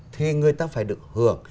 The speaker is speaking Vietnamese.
thì người ta phải được hưởng